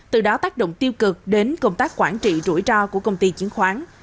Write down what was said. từ đó tác động tiêu cực đến công tác quản trị rủi ro của công ty chứng khoán